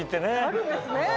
あるんですね。